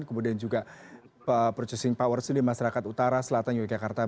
kemudian juga purchasing power di masyarakat utara selatan yogyakarta dan selatan